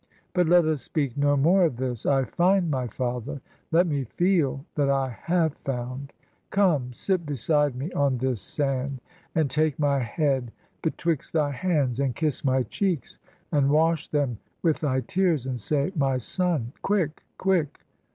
But let us speak no more of this : I find My father ; let me feel that I have found ! Come, sit beside me on this sand, and take My head betwixt thy hands, and kiss my cheeks, And wash them with thy tears, and say : My son I Quick ! quick